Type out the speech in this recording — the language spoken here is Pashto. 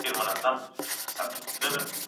ديوالونه مه ليکئ.